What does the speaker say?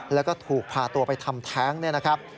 แล้วก็ถูกพาตัวไปทำแท้งเนี่ยนะครับ